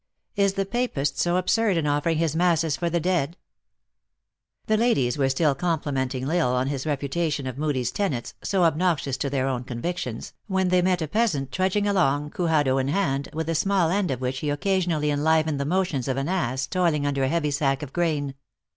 Is the papist so absurd in offering his masses for the dead ?" The ladies were still complimenting L Isle on his refutation of Moodie s tenets, so obnoxious to their own convictions, when they met a peasant trudging 204: THE ACTRESS IN HIGH LIFE. along, cujado in hand, with the small end of which he occasionally enliveued the motions of an ass toil ing under a heavy sack of grain.